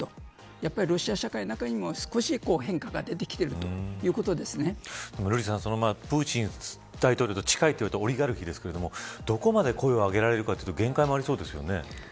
やはり、ロシア社会の中にも少し変化が出てきている瑠麗さん、プーチン大統領と近いといわれたオリガルヒですがどこまで声を上げられるか限界もありそうですよね。